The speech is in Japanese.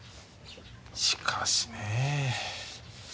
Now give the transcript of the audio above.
しかしねえ。